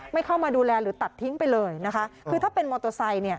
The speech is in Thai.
เข้ามาดูแลหรือตัดทิ้งไปเลยนะคะคือถ้าเป็นมอเตอร์ไซค์เนี่ย